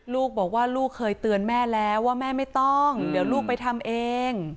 ลูกบอกว่าลูกเคยเตือนแม่แล้วว่าแม่ไม่ต้องเดี๋ยวลูกไปทำเอง